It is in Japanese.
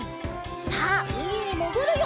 さあうみにもぐるよ！